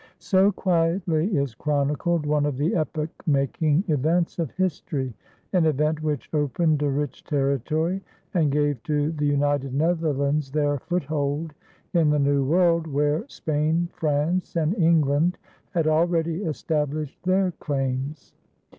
So quietly is chronicled one of the epoch making events of history, an event which opened a rich territory and gave to the United Netherlands their foothold in the New World, where Spain, France, and England had already established their claims.